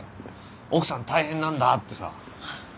「奥さん大変なんだ」ってさ。